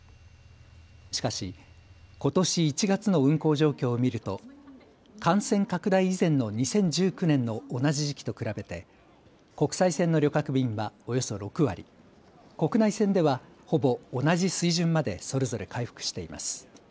しかし、ことし１月の運航状況を見ると感染拡大以前の２０１９年の同じ時期と比べて国際線の旅客便はおよそ６割、国内線では、ほぼ同じ水準までそれぞれ回復しています。